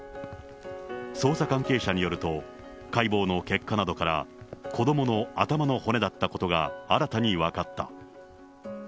捜査関係者によると、解剖の結果などから、子どもの頭の骨だったことが新たに分かった。